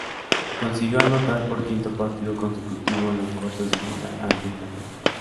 Consiguió anotar por quinto partido consecutivo en los cuartos de final ante Inglaterra.